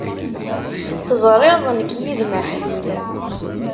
Teẓriḍ nekk yid-m aḥlil.